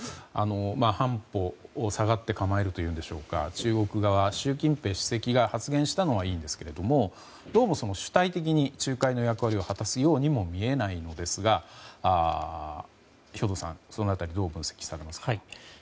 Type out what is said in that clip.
半歩下がって構えるというんでしょうか中国側、習近平主席が発言したのはいいんですがどうも主体的に仲介の役割を果たすようにも見えないんですが兵頭さん、その辺りどのように分析されますか？